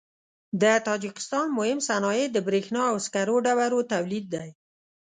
د تاجکستان مهم صنایع د برېښنا او سکرو ډبرو تولید دی.